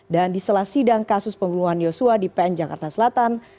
dan di selasidang kasus pembunuhan yosua di pn jakarta selatan